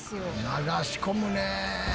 「流し込むねえ」